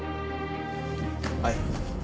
はい。